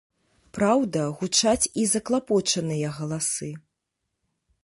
Праўда, гучаць і заклапочаныя галасы.